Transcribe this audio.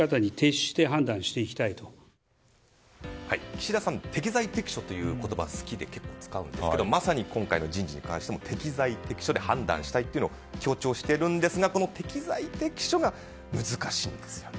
岸田さん適材適所という言葉が好きで結構、使うんですがまさに今回の人事についても適材適所で判断したいというのを強調しているんですが適材適所が難しいんですよね。